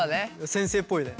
先生っぽいね。